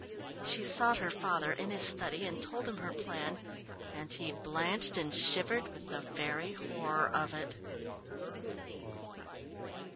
She sought her father in his study and told him her plan, and he blanched and shivered with the very horror of it.